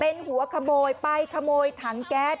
เป็นหัวขโมยไปขโมยถังแก๊ส